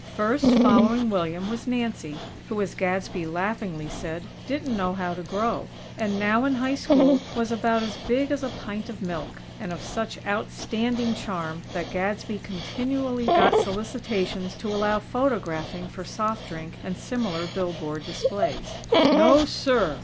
First, following William, was Nancy, who, as Gadsby laughingly said, "didn't know how to grow;" and now, in High School, was "about as big as a pint of milk;" and of such outstanding charm that Gadsby continually got solicitations to allow photographing for soft drink and similar billboard displays. "No, sir!!